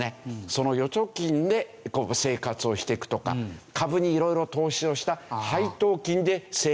その預貯金で生活をしていくとか株に色々投資をした配当金で生活をしていく。